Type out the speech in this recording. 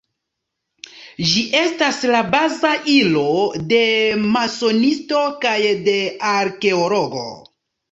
Ĝi estas la baza ilo de masonisto kaj de arkeologo.